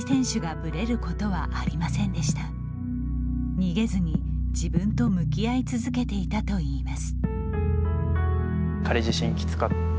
逃げずに自分と向き合い続けていたといいます。